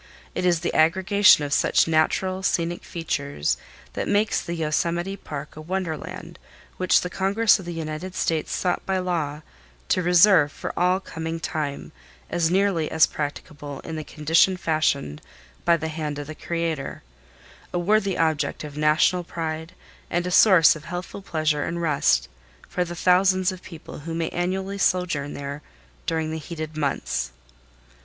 It is the aggregation of such natural scenic features that makes the Yosemite Park a wonderland which the Congress of the United States sought by law to reserve for all coming time as nearly as practicable in the condition fashioned by the hand of the Creator—a worthy object of national pride and a source of healthful pleasure and rest for the thousands of people who may annually sojourn there during the heated months.